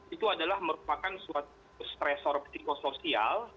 itu adalah merupakan suatu stresor psikosoial